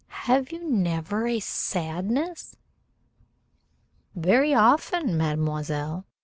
Have you never a sadness?" "Very often, mademoiselle."